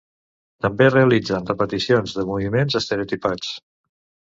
També realitzen repeticions de moviments estereotipats.